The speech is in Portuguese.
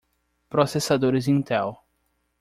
Processadores Intel.